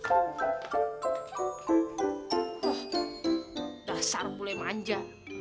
oh dasar bule manja